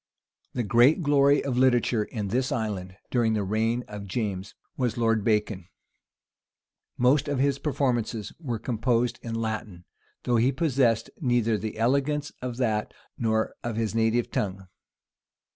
The great glory of literature in this island during the reign of James, was Lord Bacon. Most of his performances were composed in Latin; though he possessed neither the elegance of that, nor of his native tongue.